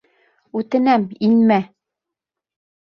Үтенәм, инмә!